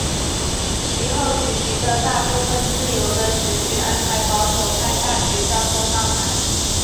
其后举行的大部分自由的选举安排保守派大学教授上台。